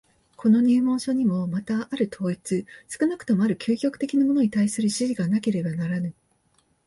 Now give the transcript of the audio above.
この入門書にもまたある統一、少なくともある究極的なものに対する指示がなければならぬ。